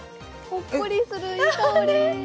ほっこりするいい香り